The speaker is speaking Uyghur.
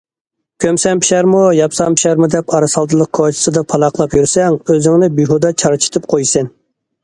‹‹ كۆمسەم پىشارمۇ، ياپسام پىشارمۇ›› دەپ ئارىسالدىلىق كوچىسىدا پالاقلاپ يۈرسەڭ، ئۆزۈڭنى بىھۇدە چارچىتىپ قويىسەن.